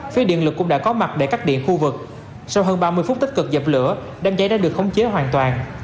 phía điện lực cũng đã có mặt để cắt điện khu vực sau hơn ba mươi phút tích cực dập lửa đám cháy đã được khống chế hoàn toàn